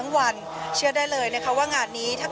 พาคุณผู้ชมไปติดตามบรรยากาศกันที่วัดอรุณราชวรรมหาวิหารค่ะ